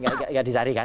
tidak dicari kan